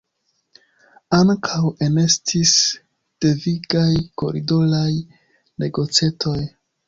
Ankaŭ enestis devigaj koridoraj negocetoj.